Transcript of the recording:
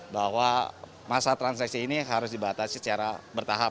bahwa masa transaksi ini harus dibatasi secara bertahap